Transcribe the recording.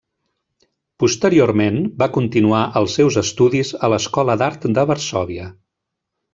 Posteriorment va continuar els seus estudis a l'escola d'art de Varsòvia.